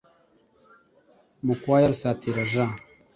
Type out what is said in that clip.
Mukwaya rusatira jean